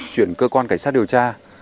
chuyển cơ quan cảnh sát điều tra